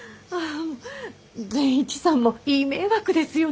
善一さんもいい迷惑ですよね？